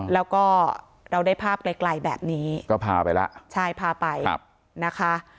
แล้วก็เราได้ภาพไกลแบบนี้ก็พาไปละใช่พาไปครับนะคะ